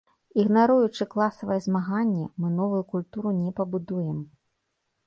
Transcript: Ігнаруючы класавае змаганне, мы новую культуру не пабудуем.